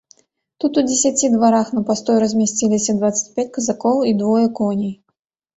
Тут у дзесяці дварах на пастой размясціліся дваццаць пяць казакоў і двое коней.